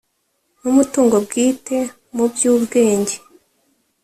n umutungo bwite mu by ubwenge